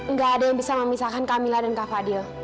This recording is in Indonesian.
nggak ada yang bisa memisahkan kamila dan kak fadil